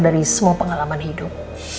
dari semua pengalaman hidup